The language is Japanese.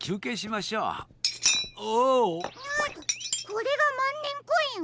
これがまんねんコイン？